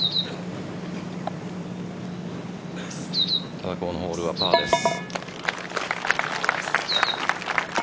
ただ、このホールはパーです。